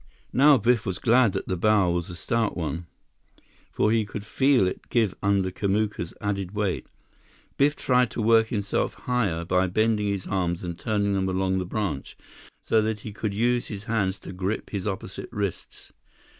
Now Biff was glad that the bough was a stout one, for he could feel it give under Kamuka's added weight. Biff tried to work himself higher by bending his arms and turning them along the branch, so that he could use his hands to grip his opposite wrists.